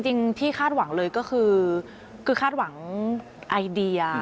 จริงที่คาดหวังเลยก็คือคาดหวังไอเดีย